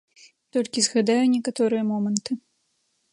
Толькі згадаю некаторыя моманты.